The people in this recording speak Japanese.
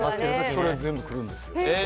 それ全部来るんです。